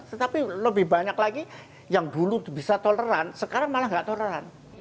tetapi lebih banyak lagi yang dulu bisa toleran sekarang malah nggak toleran